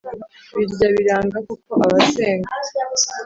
birya biranga koko abasenga